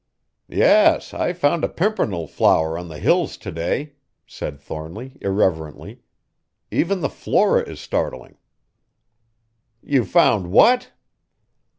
"Yes, I found a pimpernel flower on the Hills to day," said Thornly irrelevantly. "Even the flora is startling." "You found what?"